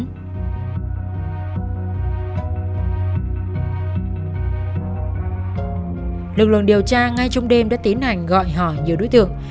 lực lượng điều tra ngay trong đêm đã tiến hành gọi hỏi nhiều đối tượng